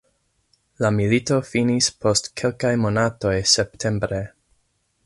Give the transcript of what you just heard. La milito finis post kelkaj monatoj septembre.